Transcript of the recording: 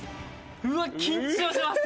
うわっ緊張します！